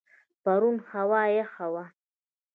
پرون هوا یخه وه.